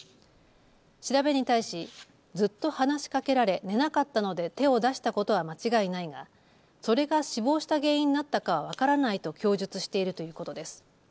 調べに対しずっと話しかけられ寝なかったので手を出したことは間違いないがそれが死亡した原因になったかは分からないと供述しているということです。